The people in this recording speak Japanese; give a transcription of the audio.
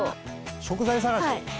食材探し？